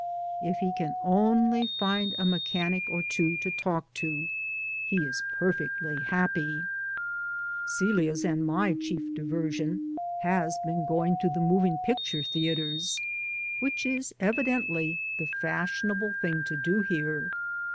If he can only find a mechanic or two to talk to, he is i>erfectly happy. Celiacs and my chief diversion has been going to the moving pic ture theaters, which is evidently the fashionable thing to do here.